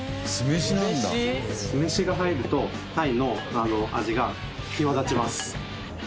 酢飯が入ると鯛の味が際立ちます。